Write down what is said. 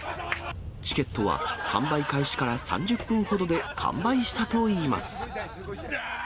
チケットは販売開始から３０分ほどで完売したといいます。